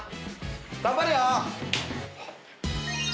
頑張れよ！